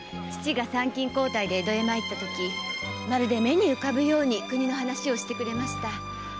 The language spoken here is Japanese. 父が参勤交代で江戸へ参ったときまるで目に浮かぶように国の話をしてくれました。